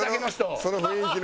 その雰囲気の。